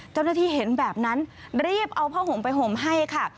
เจ้าหน้าที่เห็นแบบนั้นรีบเอาผ้าห่มไปห่มให้ค่ะ